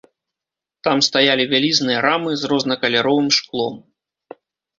Там стаялі вялізныя рамы з рознакаляровым шклом.